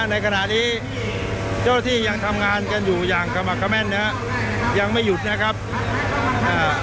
ในขณะนี้เจ้าละที่ยังทำงานกันอยู่อย่างยังไม่หยุดนะครับอ่า